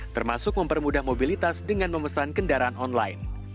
termasuk mempermudah mobilitas dengan memesan kendaraan online